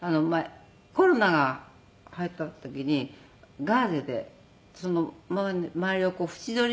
コロナが流行った時にガーゼで周りを縁取りして自分で。